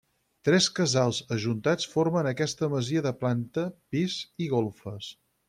Tres casals ajuntats formen aquesta masia de planta, pis i golfes.